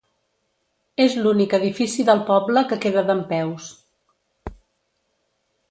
És l'únic edifici del poble que queda dempeus.